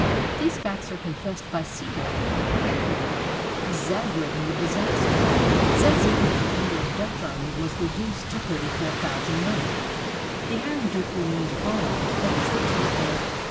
These facts are confessed by Siborne; and Pringle, exaggerating the disaster, says even that the Anglo Dutch army was re duced to 34,000 men. The Iron Duke remained calm, but his lips were pale.